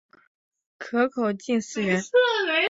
壳口近圆形。